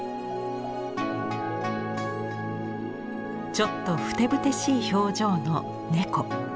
ちょっとふてぶてしい表情の猫。